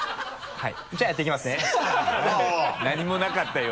はい。